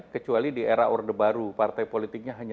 kecuali di era orde baru partai politiknya hanya